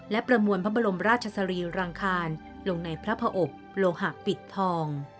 และประมวลพระบรมราชสรีรังคารลงในพระพระอบโลหะปิดทอง